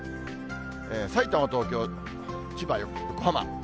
さいたま、東京、千葉、横浜。